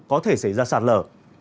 có thể xảy ra sạt lở